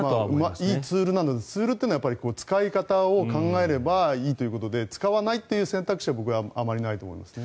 いいツールなのでツールというのは使い方を考えればいいということで使わないという選択肢はあまりないと思いますね。